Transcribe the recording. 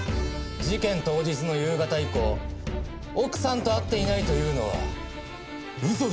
事件当日の夕方以降奥さんと会っていないというのは嘘ですよね？